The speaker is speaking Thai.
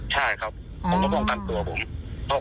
ใช่ครับผมก็ป้องกันตัวผม